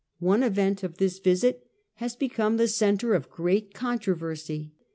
One event of this visit has become the centre of great controversy.